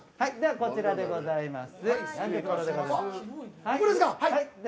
こちらでございます。